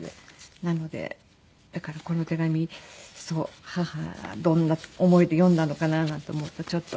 なのでだからこの手紙母はどんな思いで読んだのかななんて思うとちょっと。